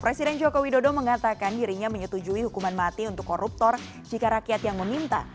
presiden joko widodo mengatakan dirinya menyetujui hukuman mati untuk koruptor jika rakyat yang meminta